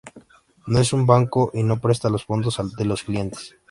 No es un banco y no presta los fondos de los clientes.